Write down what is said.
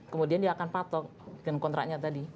kemudian dia akan patok tim kontraknya tadi